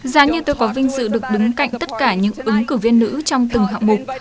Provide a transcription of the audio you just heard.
giá như tôi có vinh dự được đứng cạnh tất cả những ứng cử viên nữ trong từng hạng mục